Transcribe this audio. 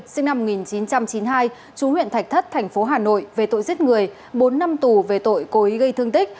sinh năm một nghìn chín trăm chín mươi hai chú huyện thạch thất thành phố hà nội về tội giết người bốn năm tù về tội cố ý gây thương tích